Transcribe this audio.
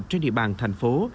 trên địa bàn thành phố